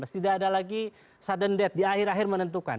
tidak ada lagi sudden death di akhir akhir menentukan